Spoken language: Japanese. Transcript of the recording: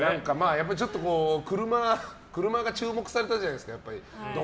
やっぱり車が注目されたじゃないですか。